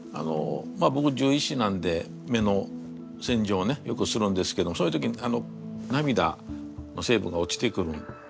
ぼく獣医師なんで目のせんじょうをよくするんですけどそういう時に涙の成分が落ちてくるんですね。